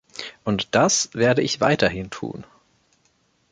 Und das werde ich weiterhin tun.